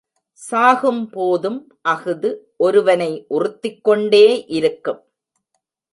சாகும்போதும் அஃது ஒரு வனை உறுத்திக்கொண்டே இருக்கும்.